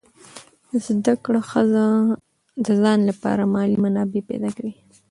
زده کړه ښځه د ځان لپاره مالي منابع پیدا کوي.